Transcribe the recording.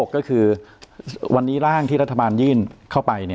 ก็คือวันนี้ร่างที่รัฐบาลยื่นเข้าไป